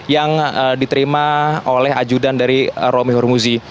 yang diterima oleh ajudan dari romi hurmuzi